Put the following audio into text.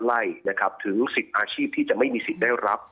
ไล่ถึงสิทธิ์อาชีพที่จะไม่มีสิทธิ์ได้รับ